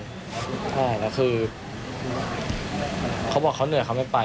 ใช่แล้วคือเขาบอกเขาเหนื่อยเขาไม่ไป